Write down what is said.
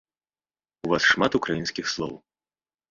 У вас шмат украінскіх слоў.